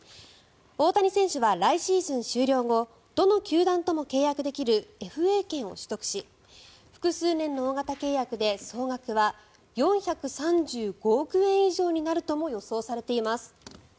大谷選手は来シーズン終了後どの球団とも契約できるＦＡ権を取得し複数年の大型契約で総額は４３５億円以上になるとも予想されています。